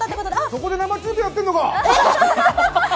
そこで生中継やってんのか。